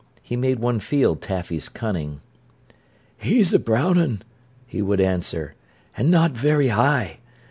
He made one feel Taffy's cunning. "He's a brown un," he would answer, "an' not very high.